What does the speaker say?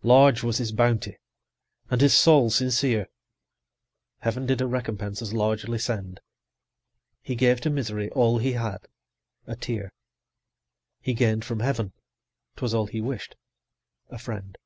120 Large was his bounty, and his soul sincere, Heaven did a recompense as largely send; He gave to Misery all he had, a tear; He gain'd from Heaven ('twas all he wish'd) a friend.